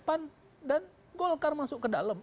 pan dan golkar masuk ke dalam